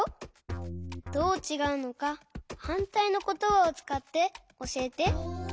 どうちがうのかはんたいのことばをつかっておしえて。